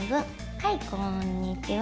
はいこんにちは。